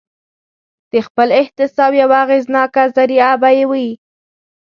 د خپل احتساب یوه اغېزناکه ذریعه به یې وي.